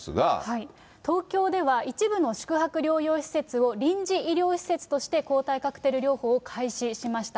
東京では、一部の宿泊療養施設を臨時医療施設として抗体カクテル療法を開始しました。